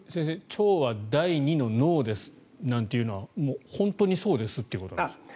腸は第２の脳ですというのは本当にそうですということですか？